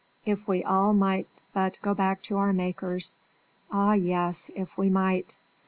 If we all might but go back to our makers! Ah, yes! if we might!